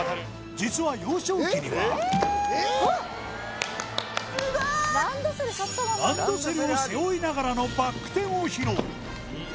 実は幼少期にはすごいランドセルを背負いながらのバック転を披露いや